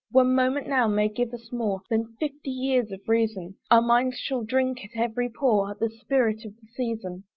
One moment now may give us more Than fifty years of reason; Our minds shall drink at every pore The spirit of the season.